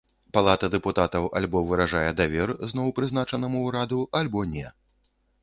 Палата дэпутатаў альбо выражае давер зноў прызначанаму ўраду, альбо не.